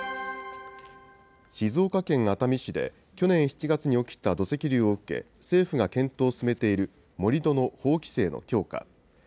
静岡県熱海市で、去年７月に起きた土石流を受け、政府が検討を進めている盛り土の法規制の強化。